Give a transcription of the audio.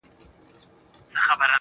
لـكــه دی لـــونــــــگ.